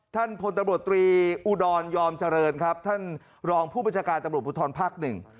ท่านพลตำรวจตรีอุดรยอมเจริญครับท่านรองผู้บัญชาการตำรวจภูทรภาคหนึ่ง